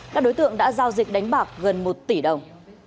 các đối tượng đã giao dịch đánh bạc gần một tỷ đồng